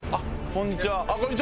こんにちは。